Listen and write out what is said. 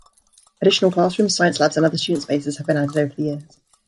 Additional classrooms, science labs, and other student spaces have been added over the years.